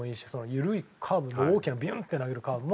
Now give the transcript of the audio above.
緩いカーブも大きなビュンって投げるカーブも。